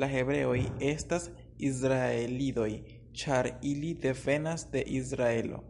La hebreoj estas Izraelidoj, ĉar ili devenas de Izraelo.